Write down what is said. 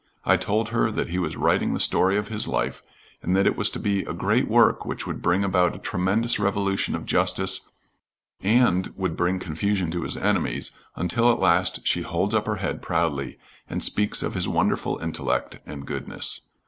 I told her that he was writing the story of his life and that it was to be a great work which would bring about a tremendous revolution of justice and would bring confusion to his enemies, until at last she holds up her head proudly and speaks of his wonderful intellect and goodness.